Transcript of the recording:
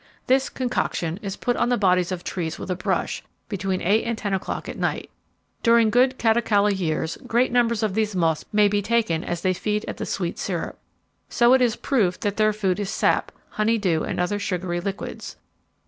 This 'concoction'is put on the bodies of trees with a brush, between eight and ten o'clock at night. During good Catocala years, great numbers of these moths may be taken as they feed at the sweet syrup. So it is proved that their food is sap, honeydew, and other sugary liquids.